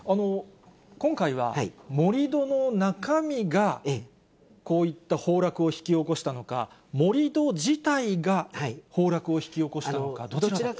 今回は、盛り土の中身が、こういった崩落を引き起こしたのか、盛り土自体が崩落を引き起こしたのか、どちらか。